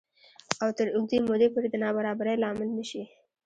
او تر اوږدې مودې پورې د نابرابرۍ لامل نه شي